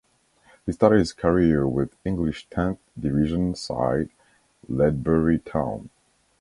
He started his career with English tenth division side Ledbury Town.